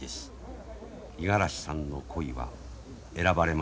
五十嵐さんの鯉は選ばれませんでした。